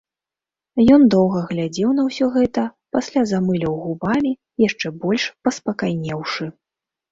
Ён доўга глядзеў на ўсё гэта, пасля замыляў губамі, яшчэ больш паспакайнеўшы.